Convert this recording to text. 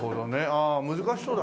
ああ難しそうだ。